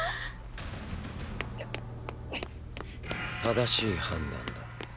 正しい判断だ。